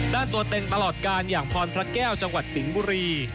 ด้านตัวเต็งตลอดการอย่างพรพระแก้วจังหวัดสิงห์บุรี